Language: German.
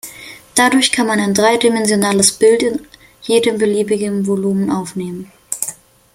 Dadurch kann man ein dreidimensionales Bild in jedem beliebigen Volumen aufnehmen.